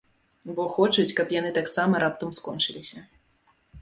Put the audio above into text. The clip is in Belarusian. Бо хочуць, каб яны таксама раптам скончыліся.